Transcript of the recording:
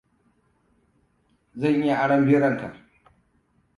Zan iya aron biron ka?